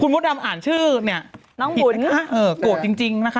คุณวุดลำอ่านชื่อนี่ถิดไหมคะโกรธจริงนะคะ